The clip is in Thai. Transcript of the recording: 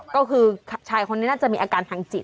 ก็คือชายคนนี้น่าจะมีอาการทางจิต